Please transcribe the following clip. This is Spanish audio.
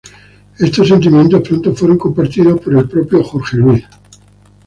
Estos sentimientos pronto fueron compartidos por el propio Jorge Luis.